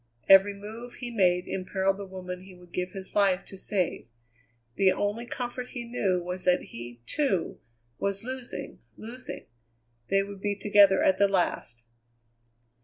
Every move he made imperilled the woman he would give his life to save. The only comfort he knew was that he, too, was losing, losing. They would be together at the last.